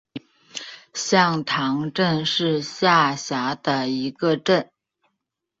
向塘镇是下辖的一个镇。